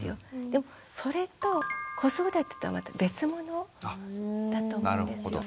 でもそれと子育てとはまた別物だと思うんですよ。